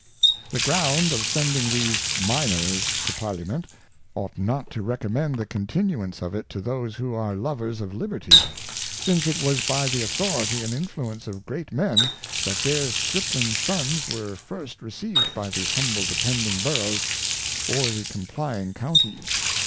The ground of sending these Minors to Parliament ought not to recommend the Continuance of it to those who are Lovers of Liberty ; since it was by the Authority and Influence of Great Men, that their Stripling Sons were first receiv'd by the humble depending Boroughs, or the complying Counties.